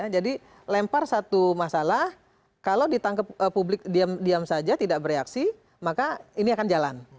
jadi lempar satu masalah kalau ditangkap publik diam diam saja tidak bereaksi maka ini akan jalan